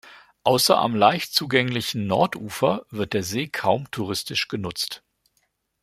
Außer am leicht zugänglichen Nordufer wird der See kaum touristisch genutzt.